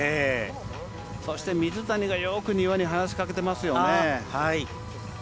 そして水谷が丹羽によく話しかけていますね。